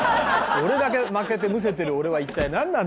俺だけ負けてむせてる俺は一体なんなんだ！